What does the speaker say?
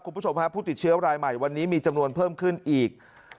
คุณผู้ชมฮะผู้ติดเชื้อรายใหม่วันนี้มีจำนวนเพิ่มขึ้นอีก